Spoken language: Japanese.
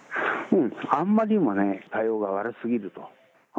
あんまりにもね、対応が悪すぎると。